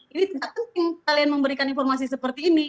ini tidak penting kalian memberikan informasi seperti ini